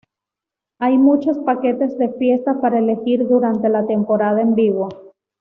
Hay muchos paquetes de fiesta para elegir durante la temporada en vivo.